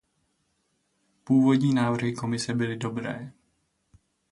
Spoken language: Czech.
Původní návrhy Komise byly dobré.